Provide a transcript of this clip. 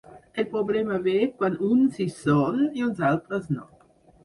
El problema ve quan uns hi són i uns altres no.